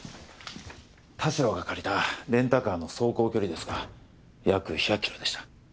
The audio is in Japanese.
田代が借りたレンタカーの走行距離ですが約１００キロでした。